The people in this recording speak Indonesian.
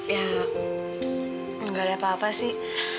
ya nggak ada apa apa sih